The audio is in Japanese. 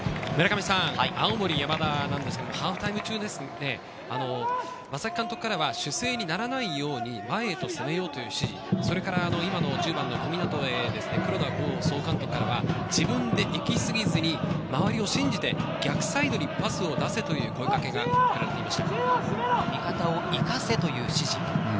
青森山田なんですが、ハーフタイム中、正木監督からは守勢にならないように、前へと攻めようという指示、それから、今の１０番の小湊へ、黒田剛総監督からは自分で行きすぎず、周りを信じて逆サイドにパスを出せという声かけが、かけられていました。